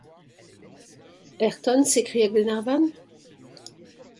Ayrton? s’écria Glenarvan.